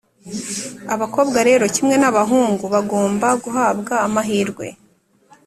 Abakobwa rero kimwe n’abahungu, bagomba guhabwa amahirwe